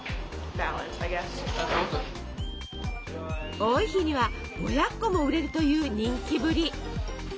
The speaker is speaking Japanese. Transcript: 多い日には５００個も売れるという人気ぶり。